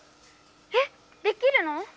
えっできるの？